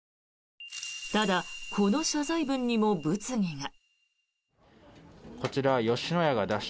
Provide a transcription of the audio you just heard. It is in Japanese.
ただ、この謝罪文にも物議が。